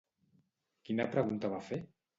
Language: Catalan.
Quina pregunta va fer?